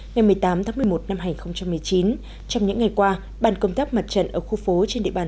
ngày một mươi tám tháng một mươi một năm hai nghìn một mươi chín trong những ngày qua bàn công tác mặt trận ở khu phố trên địa bàn